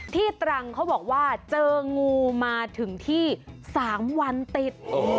ตรังเขาบอกว่าเจองูมาถึงที่๓วันติด